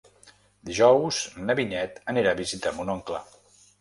Dijous na Vinyet anirà a visitar mon oncle.